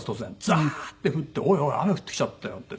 ザーッて降っておいおい雨降ってきちゃったよって。